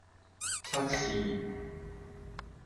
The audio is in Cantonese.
測試